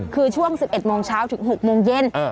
คือช่วง๑๑โมงเช้าถึง๖โมงเย็น